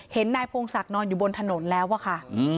นายพงศักดิ์นอนอยู่บนถนนแล้วอะค่ะ